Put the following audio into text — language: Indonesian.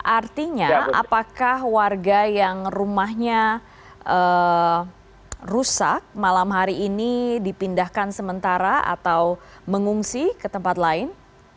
artinya apakah warga yang rumahnya rusak malam hari ini dipindahkan sementara atau mengungsi ke tempat lain